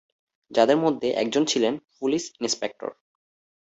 যাদের মধ্যে একজন ছিলেন পুলিশ ইনস্পেক্টর।